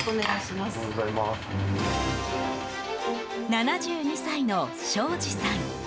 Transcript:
７２歳の庄司さん。